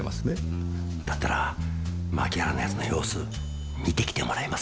だったら槇原の奴の様子見てきてもらえませんか？